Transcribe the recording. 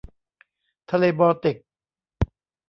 ทะเลบอลติก